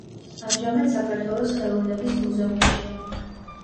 ამჟამად საქართველოს ხელოვნების მუზეუმშია.